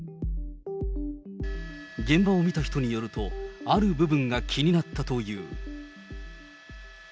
現場を見た人によると、ある部分が気になったという。